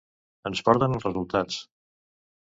Ens porten els resultats.